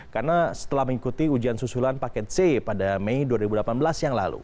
karena setelah mengikuti ujian susulan paket c pada mei dua ribu delapan belas yang lalu